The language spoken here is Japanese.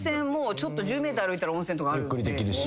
ゆっくりできるし。